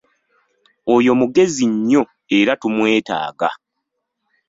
Oyo mugezi nnyo era tumwetaaga.